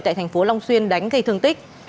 tại thành phố long xuyên đánh gây thương tích